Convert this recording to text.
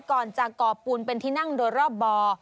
ก่อนจากก่อปูนเป็นที่นั่งโดยรอบบ่อ